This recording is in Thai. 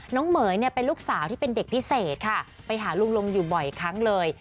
เหม๋ยเนี่ยเป็นลูกสาวที่เป็นเด็กพิเศษค่ะไปหาลุงลุงอยู่บ่อยครั้งเลย